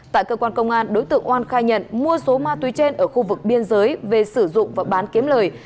tại cơ quan công an đối tượng oan khai nhận mua số ma túy trên ở khu vực biên giới về sử dụng và bán kiếm lời